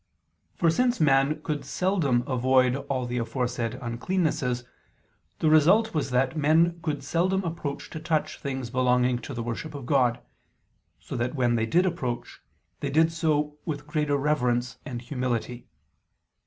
For since man could seldom avoid all the aforesaid uncleannesses, the result was that men could seldom approach to touch things belonging to the worship of God, so that when they did approach, they did so with greater reverence and humility.